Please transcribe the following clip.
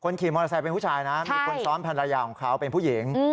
ขี่มอเตอร์ไซค์เป็นผู้ชายนะมีคนซ้อนภรรยาของเขาเป็นผู้หญิง